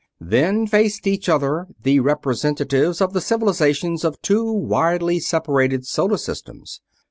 Then faced each other the representatives of the civilizations of two widely separated solar systems.